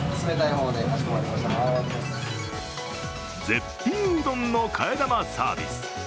絶品うどんの替え玉サービス。